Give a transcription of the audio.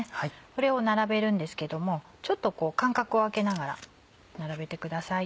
これを並べるんですけどもちょっと間隔を空けながら並べてください。